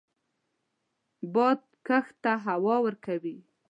باد کښت ته هوا ورکوي